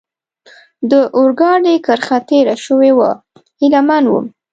د اورګاډي کرښه تېره شوې وه، هیله مند ووم.